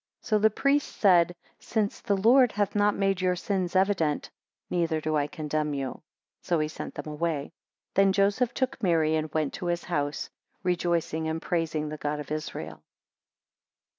20 So the priest said, Since the Lord hath not made your sins evident, neither do I condemn you. 21 So he sent them away. 22 Then Joseph took Mary, and went to his house, rejoicing and praising the God of Israel.